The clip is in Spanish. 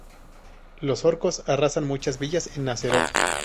Los orcos arrasan muchas villas en Azeroth.